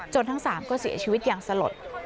ทั้ง๓ก็เสียชีวิตอย่างสลด